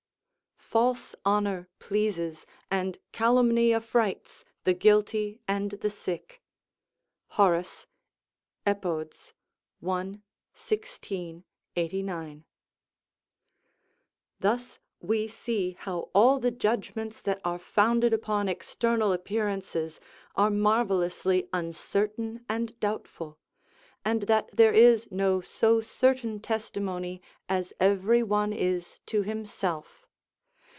["False honour pleases, and calumny affrights, the guilty and the sick." Horace, Ep., i. 16, 89.] Thus we see how all the judgments that are founded upon external appearances, are marvellously uncertain and doubtful; and that there is no so certain testimony as every one is to himself.